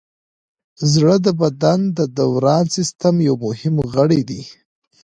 زړه د بدن د دوران سیستم یو مهم غړی دی.